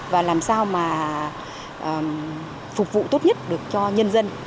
và làm sao mà phục vụ tốt nhất được cho nhân dân